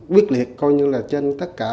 quyết liệt coi như là trên tất cả